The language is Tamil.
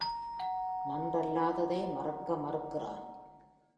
நன்றல்லாததை மறக்க மறுக்கிறான்.